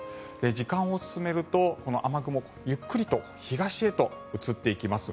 時間を進めると、この雨雲ゆっくりと東へと移っていきます。